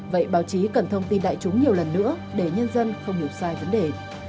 vậy báo chí cần thông tin đại chúng nhiều lần nữa để nhân dân không hiểu sai vấn đề